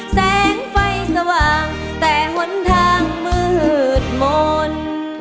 แสงไฟสว่างแต่หนทางมืดมนต์